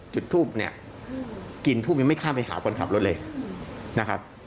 จุดทูปเนี่ยกินทูบยังไม่ข้ามไปหาคนขับรถเลยนะครับ